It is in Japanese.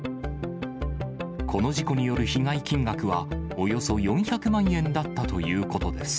この事故による被害金額は、およそ４００万円だったということです。